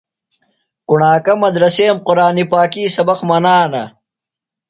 کُݨاکہ مدرسیم قُرآنی پاکی سبق منانہ۔